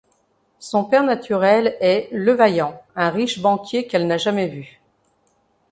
Son père naturel est Levaillant, un riche banquier qu'elle n'a jamais vu.